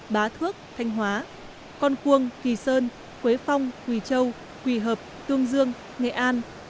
bá thước thanh hóa con cuông kỳ sơn quế phong quỳ châu quỳ hợp tương dương nghệ an